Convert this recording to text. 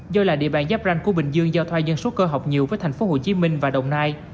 do là địa bàn giáp ranh của bình dương giao thoa dân số cơ học nhiều với thành phố hồ chí minh và đồng nai